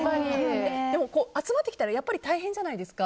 集まってきたらやっぱり大変じゃないですか。